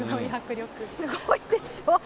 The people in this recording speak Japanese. すごいでしょ。